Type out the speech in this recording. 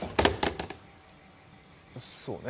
そうね。